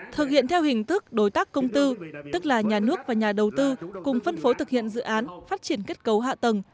thực hiện theo hình thức đối tác công tư tức là nhà nước và nhà đầu tư cùng phân phối thực hiện dự án phát triển kết cấu hạ tầng